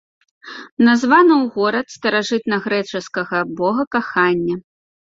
Названы ў гонар старажытнагрэчаскага бога кахання.